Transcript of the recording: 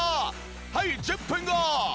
はい１０分後！